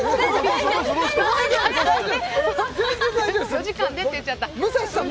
「４時間で」って言っちゃった武蔵さん